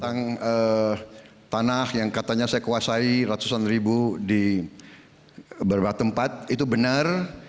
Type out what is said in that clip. tentang tanah yang katanya saya kuasai ratusan ribu di beberapa tempat itu benar